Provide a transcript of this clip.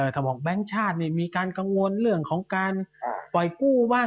ถ้าบอกแบงค์ชาติมีการกังวลเรื่องของการปล่อยกู้บ้าง